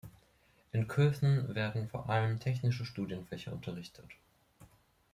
In Köthen werden vor allem technische Studienfächer unterrichtet.